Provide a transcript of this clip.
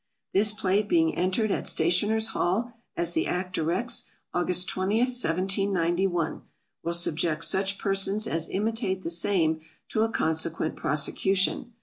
This plate being entered at Stationer's Hall as the Act directs, Aug. 20, 1791, will subject such persons as imitate the same to a consequent prosecution.